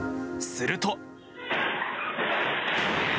すると。